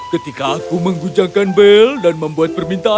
ketika aku mengguncangkan bel dan membuat topi